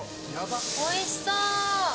おいしそう。